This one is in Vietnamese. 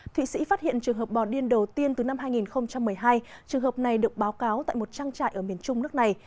thụy sĩ phát hiện trường hợp bò điên đầu tiên từ năm hai nghìn một mươi hai trường hợp này được báo cáo tại một trang trại ở miền trung nước này